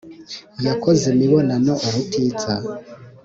yakoze imibonano ubutitsa,